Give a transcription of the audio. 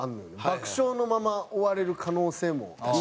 爆笑のまま終われる可能性もあるもんね。